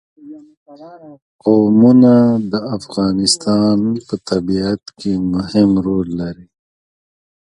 قومونه د افغانستان په طبیعت کې مهم رول لري.